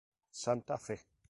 Santa Fe.